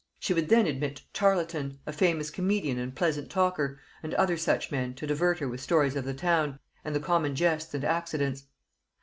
She would then admit Tarleton, a famous comedian and pleasant talker, and other such men, to divert her with stories of the town, and the common jests and accidents.